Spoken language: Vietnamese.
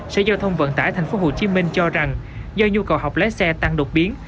sở giao thông vận tải tp hcm cho rằng do nhu cầu học lái xe tăng đột biến